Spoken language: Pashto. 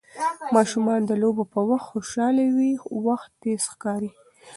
ماشومان د لوبو په وخت خوشحاله وي، وخت تېز ښکاري.